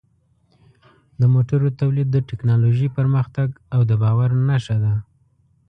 د موټرو تولید د ټکنالوژۍ پرمختګ او د باور نښه ده.